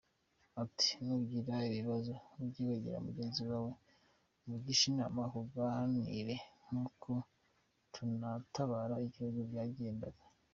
Ati “Nugira ibibazo ujye wegera mugenzi wawe umugishe inama akunganire nkuko tunatabara igihugu byagendaga.